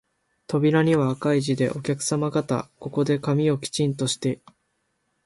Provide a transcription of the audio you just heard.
扉には赤い字で、お客さま方、ここで髪をきちんとして、